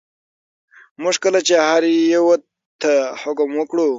موږ کله چې هر یوه ته حکم وکړو.